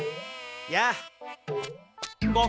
やあ。